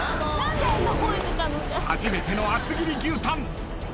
初めての厚切り牛タン。